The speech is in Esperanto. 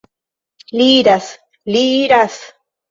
Li iras, li iras!